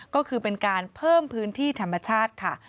ก็คือเป็นการเพิ่มพื้นที่ธรรมชาติค่ะ